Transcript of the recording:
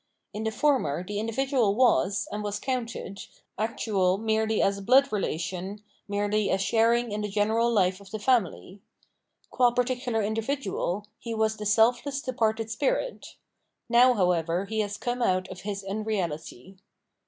In the former the individual was, and was counted, actual merely as a blood relation, merely as sharing in the general fife of the family. Qua particular individual, he was the selfless departed spirit ; now, however, he has come out of his unreality.